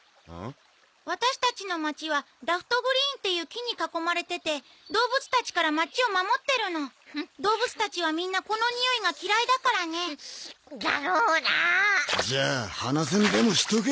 私たちの町はダフトグリーンっていう樹に囲まれてて動物たちから町を守ってるの動物たちはみんなこのにおいが嫌いだからねだろうなァじゃあ鼻栓でもしとけ